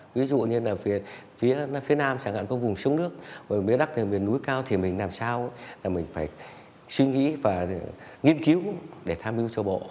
ví dụ như phía nam chẳng hạn có vùng sông nước mấy đắc miền núi cao thì mình làm sao là mình phải suy nghĩ và nghiên cứu để tham hiu cho bộ